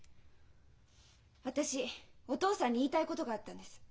私お父さんに言いたいことがあったんです。